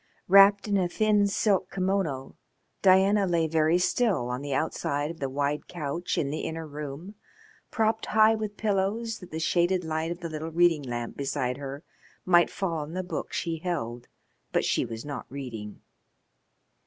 Wrapped in a thin silk kimono Diana lay very still on the outside of the wide couch in the inner room, propped high with pillows that the shaded light of the little reading lamp beside her might fall on the book she held, but she was not reading.